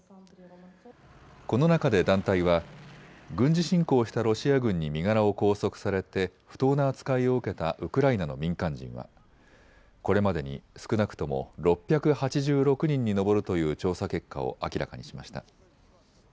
この中で団体は軍事侵攻したロシア軍に身柄を拘束されて不当な扱いを受けたウクライナの民間人はこれまでに少なくとも６８６人に上るという調査結果を明らかにしました。